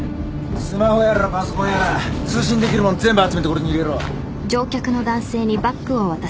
スマホやらパソコンやら通信できるもん全部集めてこれに入れろ。